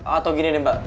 atau gini deh mbak